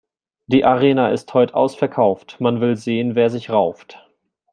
Die Arena ist heut' ausverkauft, man will sehen, wer sich rauft.